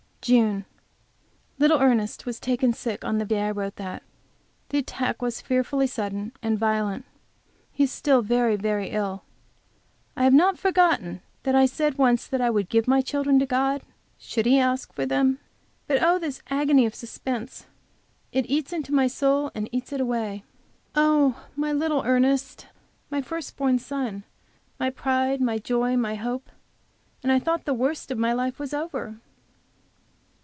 JUNE. Little Ernest was taken sick on the day I wrote that. The attack was fearfully sudden and violent. He is still very, very ill. I have not forgotten that I said once that I would give my children to God should He ask for them. And I will. But oh, this agony of suspense! It eats into my soul and eats it away. Oh, my little Ernest! My first born son! My pride, my joy, my hope! And I thought the worst of my life was over!